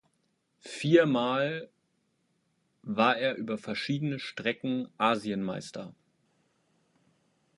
Viermal war er über verschiedene Strecken Asienmeister.